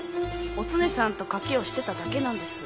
お常さんと賭けをしてただけなんです。